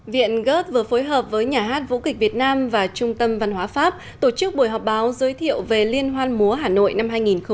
viện gớt vừa phối hợp với nhà hát vũ kịch việt nam và trung tâm văn hóa pháp tổ chức buổi họp báo giới thiệu về liên hoan múa hà nội năm hai nghìn một mươi chín